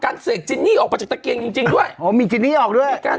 ข้อมูลของเหยื่อเขาบอกว่า